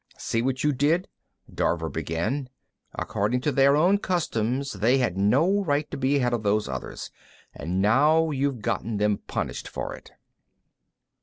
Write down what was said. "See what you did?" Dorver began. "According to their own customs, they had no right to be ahead of those others, and now you've gotten them punished for it."